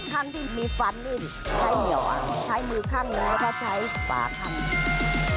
ข้างที่มีฟันนี่ใช้เหนียวใช้มือข้างน้อยถ้าใช้ฝาข้างหนึ่ง